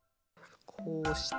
こうして。